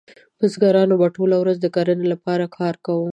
بزګرانو به ټوله ورځ د کرنې لپاره کار کاوه.